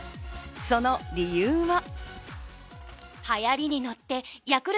その理由は。